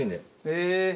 へえ。